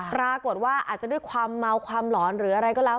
ปรากฏว่าอาจจะด้วยความเมาความหลอนหรืออะไรก็แล้ว